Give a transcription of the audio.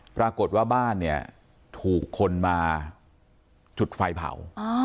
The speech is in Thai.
ปรากฏว่าบ้านเนี่ยถูกคนมาจุดไฟเผา